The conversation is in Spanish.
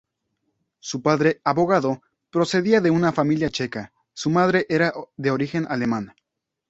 Su padre, abogado, procedía de una familia checa; su madre era de origen alemán.